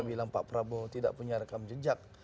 bilang pak prabowo tidak punya rekam jejak